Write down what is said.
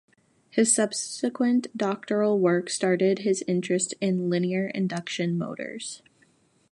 His subsequent doctoral work started his interest in linear induction motors.